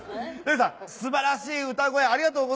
素晴らしい歌声ありがとうございます。